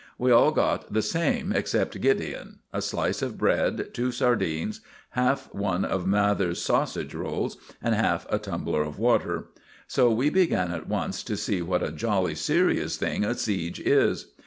We all got the same except Gideon a slice of bread, two sardines, half one of Mathers's sausage rolls, and half a tumbler of water. So we began at once to see what a jolly serious thing a siege is.